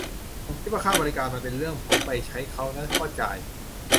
ผมคิดว่าค่าบริการมันเป็นเรื่องผมไปใช้เค้าน่ะ ก็จ่าย